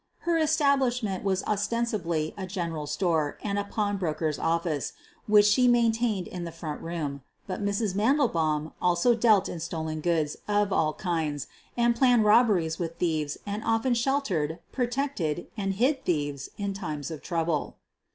Her establishment was ostensibly a general store and a pawnbroker's office, which she maintained in the front room, but Mrs. Mandelbaum also dealt in stolen goods of all kinds and planned robberies with thieves and often sheltered, protected, and hid thieves in times of trouble.